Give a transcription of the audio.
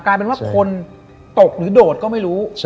กลายเป็นว่าคนตกหรือโดดก็ไม่รู้